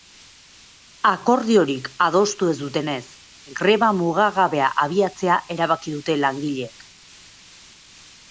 Akordiorik adostu ez dutenez, greba mugagabea abiatzea erabaki dute langileek.